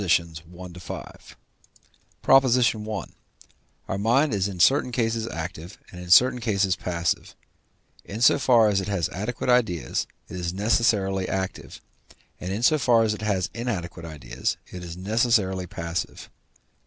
and, consequently, the same images of things (see note II. xvii.). PROP. I. Our mind is in certain cases active, and in certain cases passive. In so far as it has adequate ideas it is necessarily active, and in so far as it has inadequate ideas, it is necessarily passive.